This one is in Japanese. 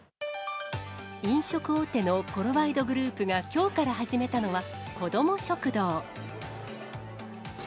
飲食大手のコロワイドグループがきょうから始めたのは、こども食堂。